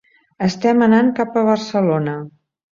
Estem anant cap a Barcelona.